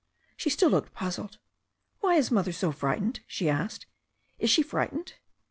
She still looked puzzled. Why is Mother so frightened?" she asked. 'Is she frightened?"